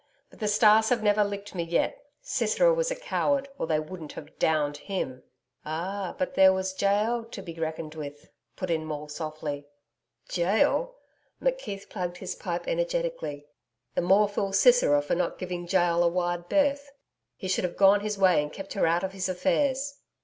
But the stars have never licked me yet. Sisera was a coward, or they wouldn't have DOWNED him.' 'Ah, but there was Jael to be reckoned with,' put in Maule softly. 'Jael!' McKeith plugged his pipe energetically. 'The more fool Sisera for not giving Jael a wide berth. He should have gone his way and kept her out of his affairs.'